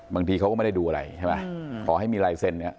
บางทีเขาก็ไม่ได้ดูอะไรใช่ไหมขอให้มีลายเซ็นเนี่ย